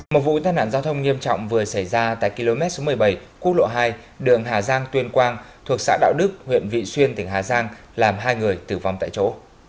một vụ tai nạn giao thông nghiêm trọng vừa xảy ra tại km số một mươi bảy quốc lộ hai đường hà giang tuyên quang thuộc xã đạo đức huyện vị xuyên tỉnh hà giang làm hai người tử vong tại chỗ